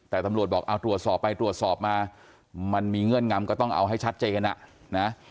แต่ตำรวจบอกเอาตรวจสอบไปตรวจสอบมามันมีเงื่อนงำก็ต้องเอาให้ชัดเจนอ่ะนะ